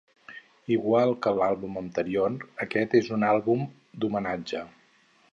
Igual que l'àlbum anterior, aquest és un àlbum d'homenatge.